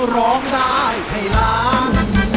ร้องได้ให้ล้าน